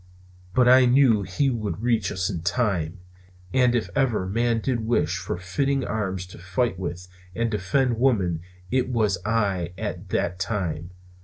But I knew he would reach us in time! And if ever man did wish for fitting arms to fight with and defend woman it was I at that time.